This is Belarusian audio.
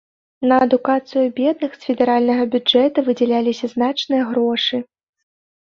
На адукацыю бедных з федэральнага бюджэта выдзяляліся значныя грошы.